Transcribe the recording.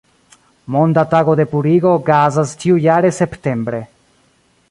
Monda Tago de Purigo okazas ĉiujare septembre.